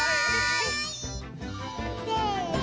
せの。